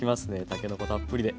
たけのこたっぷりで。